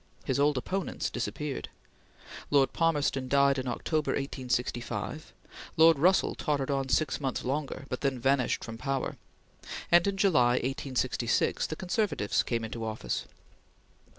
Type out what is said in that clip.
His old opponents disappeared. Lord Palmerston died in October, 1865; Lord Russell tottered on six months longer, but then vanished from power; and in July, 1866, the conservatives came into office.